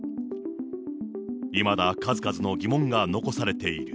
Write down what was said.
いまだ数々の疑問が残されている。